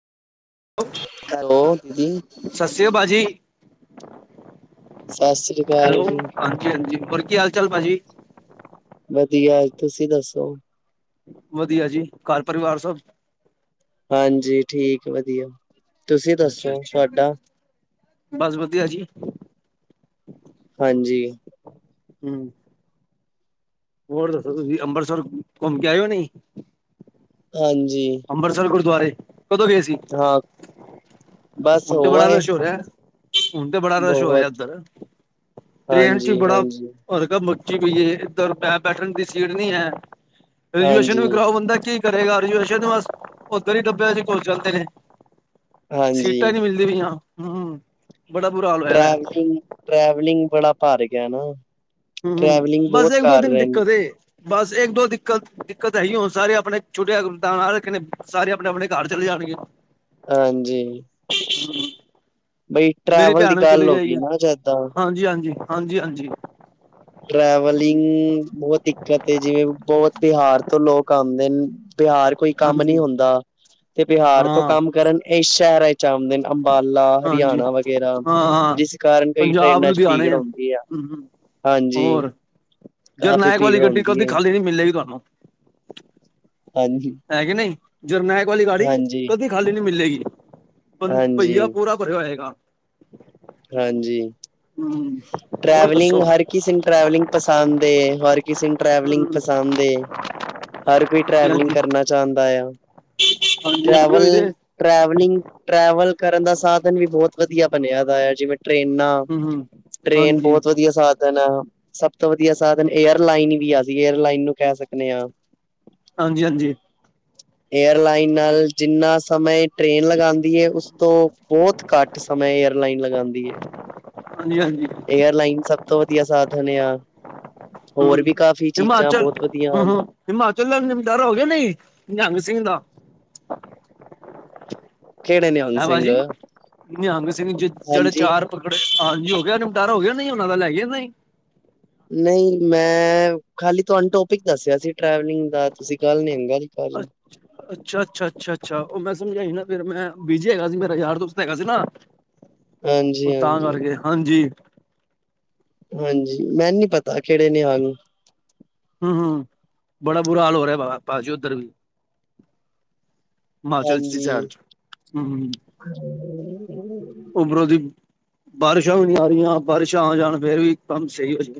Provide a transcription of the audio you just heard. Hello ਦੀ ਸਤਿ ਸ੍ਰੀ ਅਕਾਲ ਭਾਜੀ ਅਕਾਲ ਹੈਲੋ ਜੀ ਹਾਂਜੀ-ਹਾਂਜੀ ਹੋਰ ਕੀ ਹਾਲ-ਚਾਲ ਭਾਜੀ? ਵਧੀਆ ਤੁਸੀਂ ਦੱਸੋ? ਵਧੀਆ ਜੀ ਘਰ ਪਰਿਵਾਰ ਸਭ। ਹਾਂਜੀ ਠੀਕ ਵਧੀਆ, ਤੁਸੀਂ ਅੱਛਾ ਦੱਸੋ ਅੱਛਾ ਤੁਹਾਡਾ? ਬਸ ਵਧੀਆ ਜੀ। ਹਾਂਜੀ ਹੂੰ, ਹੋਰ ਦੱਸੋ ਤੁਸੀਂ ਅੰਬਰਸਰ ਘੁੰਮ ਕੇ ਆਏ ਓ ਨਈ? ਹਾਂਜੀ ਦੁਬਾਰੇ, ਕਦੋਂ ਗਏ ਸੀ? ਹਾਂ ਬਸ ਹੁਣ ਹੋ ਤੇ ਬੜਾ ਆਏ ਮਸ਼ਹੂਰ ਹੈ, ਹੁਣ ਤੇ ਬੜਾ ਰਛ ਹੋ ਰਿਹਾ ਬਹੁਤ ਉੱਧਰ। ਟ੍ਰੇਨ ਚ ਹਾਂਜੀ ਬੜਾ, ਹਾਂਜੀ ਫਰਕ ਆ ਸੱਚੀ ਕਹੀਏ ਇੱਧਰ ਮੈਂ ਬੈਠਣ ਦੀ ਸੀਟ ਨਹੀਂ ਹੈ, ਰਜੂਏਸ਼ਨ ਵੀ ਹਾਂਜੀ ਕਰਾਓ ਬੰਦਾ ਕੀ ਕਰੇਗਾ ਰਜੂਏਸਨ ਤੇ ਬਸ, ਉੱਧਰ ਹੀ ਡੱਬਿਆ ਕੁਚਲਤੇ ਨੇ। ਹਾਂਜੀ ਵੀ ਹਾ ਹਾਂ ਟਰੈਕਿੰਗ, ਟਰੈਵਲਿੰਗ ਬੜਾ ਭਰ ਗਿਆ ਨਾ। ਹੂ ਟਰੈਵਲਿੰਗ ਬੱਸ ਬਹੁਤ ਇੱਕ-ਦੋ ਕਰ ਦਿਨ ਰਹੇ ਨੇ ਦਿੱਕਤ ਏ। ਬਸ ਇੱਕ ਦੋ ਦਿੱਕਤ ਦਿੱਕਤ ਹੈ ਹੀ ਹੋਣ ਸਾਰੇ ਆਪਣੇ ਛੋਟੇ ਰੱਖ ਸਾਰੇ ਆਪਣੇ ਆਪਣੇ ਘਰ ਚਲੇ ਜਾਣ ਗੇ ਹਾਂਜੀ। [inaudible] ਬਈ ਮੇਰੀ ਟਰੈਵਲ ਦੀ ਭੈਣ ਵੀ ਚਲੇ ਗੱਲ ਹੋ ਜਾਗੀ ਗਈ ਆ ਨਾ ਜਿੱਦਾਂ ਹਾਂਜੀ, ਹਾਂਜੀ, ਹਾਂਜੀ, ਹਾਂਜੀ। ਟਰੈਵਲਿੰਗ ਬਹੁਤ ਦਿੱਕਤ ਜਿਵੇਂ ਬਹੁਤ ਬਿਹਾਰ ਤੋਂ ਲੋਕ ਆਉਂਦੇ ਨੇ ਬਿਹਾਰ ਕੋਈ ਕੰਮ ਹਾਂਜੀ ਨੀ ਹੁੰਦਾ ਤੇ ਬਿਹਾਰ ਤੋਂ ਹਾਂ ਕੰਮ ਕਰਨ ਇਸ ਸ਼ਹਿਰ ਜਾਂਦੇ ਨੇ ਅੰਬਾਲਾ, ਹਾਂਜੀ। ਹਰਿਆਣਾ ਵਗੈਰਾ ਹਾਂ ਹਾਂ ਜਿਸ ਕਾਰਨ ਕਈ ਟ੍ਰਰੇਨਾਂ ਚ, ਭੀੜ ਹੁੰਦੀ ਆ। ਹੂੰ ਹੂੰ। ਹਾਂਜੀ। ਕਾਫ਼ੀ ਜਰਨਾਇਕ ਵਾਲੀ ਭੀੜ ਗੱਡੀ ਹੁੰਦੀ ਕਦੀ ਹੈ। ਖਾਲੀ ਨਹੀਂ ਮਿਲੇਗੀ ਤੁਹਾਨੂੰ, ਹਾਂਜੀ, ਹੈ ਕੇ ਨਹੀਂ। ਜਰਨੈਕ ਵਾਲੀ ਗੱਡੀ ਹਾਂਜੀ, ਕਦੀ ਖਾਲੀ ਨਹੀਂ ਮਿਲੇਗੀ। ਭਈਆ ਹਾਂਜੀ, ਪੂਰਾ ਭਰਿਆ ਹੋਏਗਾ। ਹਾਂਜੀ। ਹੂੰ ਟਰੈਵਲਿੰਗ ਹਰ ਕਿਸੇ ਨੂੰ ਟਰੈਵਲਿੰਗ ਪਸੰਦ ਏ। ਹਰ ਕਿਸੇ ਨੂੰ ਟਰੈਵਲਿੰਗ ਹਮ, ਪਸੰਦ ਏ। ਹਰ ਕੋਈ ਹਾਂਜੀ ਟਰੈਵਲਿੰਗ ਹਾਂਜੀ। ਕਰਨਾ ਚਾਹੁੰਦਾ ਆ। [unintelligible] ਟੈਵਲ ਉਹੀ ਤੇ ਟੈਵਲਿੰਗ ਟਰੈਵਲ ਕਰਨ ਦਾ ਸਾਧਨ ਵੀ ਬਹੁਤ ਵਧੀਆ ਬਣਿਆ ਦਾ ਵਾ। ਟਰੇਨਾਂ ਹੂੰ ਹੂੰ ਟ੍ਰੇਨ ਹਾਂਜੀ ਬਹੁਤ ਵਧੀਆ ਸਾਧਨ ਆ। ਸਭ ਤੋਂ ਵਧੀਆ ਸਾਧਨ ਏਅਰਲਾਈਨ ਵੀ ਅਸੀਂ ਏਅਰਲਾਈਨ ਵੀ ਕਹਿ ਸਕਦੇ ਹਾਂ। ਹਾਂਜੀ ਹਾਂਜੀ। ਏਅਰਲਾਈਨ ਨਾਲ ਜਿੰਨਾ ਸਮੇਂ ਟ੍ਰੇਨ ਲਗਾਉਂਦੀ ਹੈ ਉਸ ਤੋਂ ਬਹੁਤ ਘੱਟ ਸਮਾਂ ਏਅਰਲਾਈਨ ਲਗਾਉਂਦੀ ਹੈ। ਹਾਂਜੀ ਏਅਰਲਾਈਨ ਸਭ ਤੋਂ ਵਧੀਆ ਸਾਧਨ ਆ। ਹੋਰ ਹੂੰ ਵੀ ਕਾਫੀ ਹਿਮਾਚਲ ਹੂੰ ਹਿਮਾਚਲ ਦੇ ਜ਼ਿਮੀਂਦਾਰ ਹੋ ਗਏ ਨੇ ਨਿਹੰਗ ਸਿੰਘ ਦਾ [inaudible] ਕਿਹੜੇ ਨਿਹੰਗ ਹੈਂ ਸਿੰਘ, ਭਾਜੀ ਨਿਹੰਗ ਸਿੰਘ ਜਿਹੜੇ ਹਾਂਜੀ। ਚਾਰ ਪਕੜੇ ਹੋ ਗਿਆ ਨਿਪਟਾਰਾ ਹੋ ਗਿਆ ਨਹੀਂ ਉਹਨਾ ਦਾ ਲੈ ਗਿਆ ਨਹੀਂ। ਨਹੀਂ ਮੈਂ ਖਾਲੀ ਤੁਹਾਨੂੰ ਟੋਪਿਕ ਦੱਸਿਆ ਸੀ ਟੈਵਲਿੰਗ ਦਾ ਤੁਸੀਂ ਗੱਲ ਨਿਹੰਗਾ ਕਰ ਰਹੇ। ਅੱਛਾ, ਅੱਛਾ, ਅੱਛਾ, ਅੱਛਾ। ਉਹ ਮੈਂ ਸਮਝ ਆਈ ਨਾ ਫ਼ਿਰ ਮੈਂ ਬਿਜੀ ਹੈਗਾ ਸੀ ਮੇਰਾ ਯਾਰ ਦੋਸਤ ਹੈਗਾ ਸੀ ਨਾ। ਹਾਂਜੀ, ਉਹ ਤਾਂ ਹਾਂਜੀ, ਕਰਕੇ ਹਾਂਜੀ। ਹਾਂਜੀ ਮੈਨੂੰ ਨੀ ਪਤਾ ਕਿਹੜੇ ਨਿਹੰਗ ਹੂੰ-ਹੂੰ, ਬੜਾ ਬੁਰਾ ਹਾਲ ਹੋ ਰਿਹਾ ਬਾਹਰ ਪਾਜੀ ਉੱਧਰ ਵੀ। ਹਿਮਾਚਲ [unintelligible] ਹਾਂਜੀ। ਹੂੰ, ਉਮਰੋਂ ਦੀ ਬਾਰਿਸ਼ਾਂ ਵੀ ਨਹੀਂ ਆ ਰਹੀਆਂ ਬਾਰਿਸ਼ਾਂ ਆ ਜਾਣ ਫੇਰ ਵੀ ਕੰਮ ਸਹੀ ਹੋ ਜਾ।